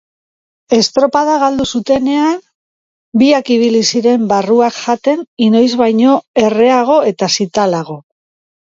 Estropada galdu zutenean, biak ibili ziren barruak jaten inoiz baino erreago eta zitalago.